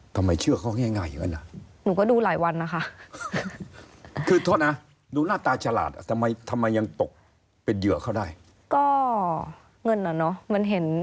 ทำไมเชื่อกับเขาง่ายอย่างงั้น